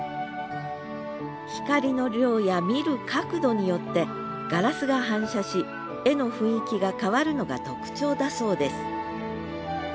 光の量や見る角度によってガラスが反射し絵の雰囲気が変わるのが特徴だそうです。